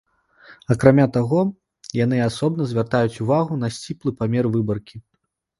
Акрамя таго, яны асобна звяртаюць увагу на сціплы памер выбаркі.